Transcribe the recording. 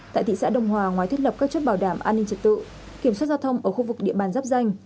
tại thị xã đông hòa ngoài thiết lập các chốt bảo đảm an ninh trật tự kiểm soát giao thông ở khu vực địa bàn giáp danh